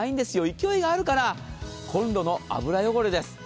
勢いがあるからコンロの油汚れです。